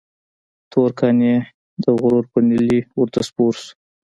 تور قانع د غرور پر نيلي ورته سپور شو.